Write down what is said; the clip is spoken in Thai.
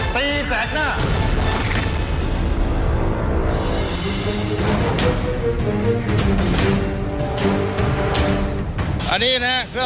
สถานการณ์ข้อมูล